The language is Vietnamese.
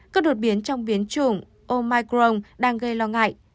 các đột biến trong biến chủng omicron đang gây lo ngại